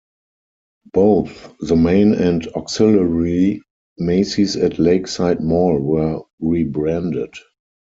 Both the main and auxiliary Macy's at Lakeside Mall were rebranded.